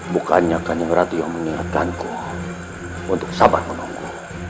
bukannya kaceng ratu yang mengingatkanku untuk sabar menunggu